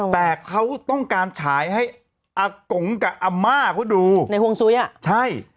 แต่เขาต้องการฉายให้อากงกับอาม่าเขาดูในห่วงซุ้ยอ่ะใช่